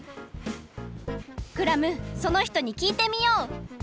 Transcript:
クラムそのひとにきいてみよう！